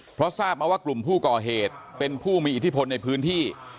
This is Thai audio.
เพราะทราบมาว่ากลุ่มผู้ก่อเหตุเป็นผู้มีอิทธิพลในพื้นที่